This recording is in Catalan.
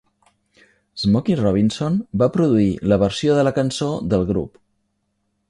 Smokey Robinson va produir la versió de la cançó del grup.